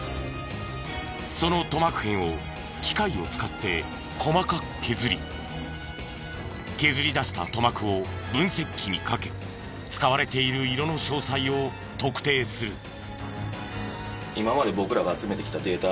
その塗膜片を機械を使って細かく削り削り出した塗膜を分析機にかけ使われている色の詳細を特定する。